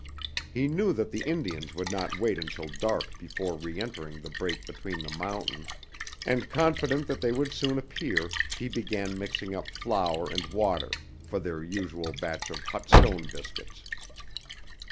He knew that the Indians would not wait until dark before reëntering the break between the mountains, and confident that they would soon appear he began mixing up flour and water for their usual batch of hot stone biscuits.